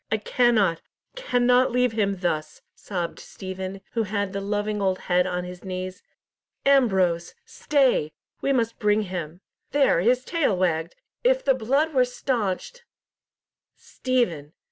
"I cannot, cannot leave him thus," sobbed Stephen, who had the loving old head on his knees. "Ambrose! stay, we must bring him. There, his tail wagged! If the blood were staunched—" "Stephen!